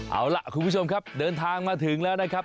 เอาล่ะคุณผู้ชมครับเดินทางมาถึงแล้วนะครับ